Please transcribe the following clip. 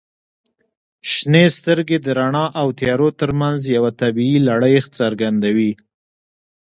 • شنې سترګې د رڼا او تیارو ترمنځ یوه طبیعي لړۍ څرګندوي.